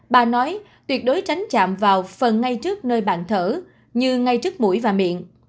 bà nói tuyệt đối tránh chạm vào phần ngay trước nơi bạn thở như ngay trước mũi và miệng